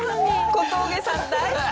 小峠さん大好き